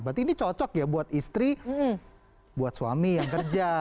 berarti ini cocok ya buat istri buat suami yang kerja